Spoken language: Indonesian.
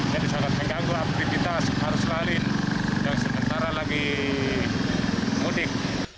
jadi sangat mengganggu aktivitas harus selalu yang sedang mudik